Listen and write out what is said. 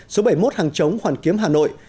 số bảy mươi một hàng chống hoàn kiếm hà nội